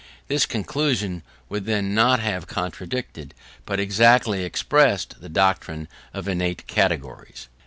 This conclusion would then not have contradicted, but exactly expressed, the doctrine of innate categories.